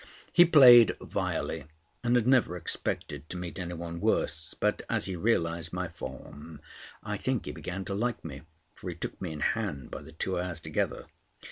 He played vilely and had never expected to meet any one worse; but as he realised my form, I think he began to like me, for he took me in hand by the two hours together.